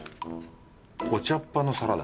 お茶っ葉のサラダ。